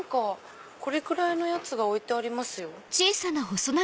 これくらいのやつが置いてありますよ。